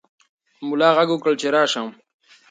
ملا غږ وکړ چې راشه.